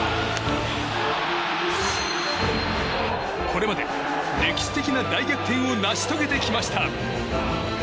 これまで歴史的な大逆転を成し遂げてきました。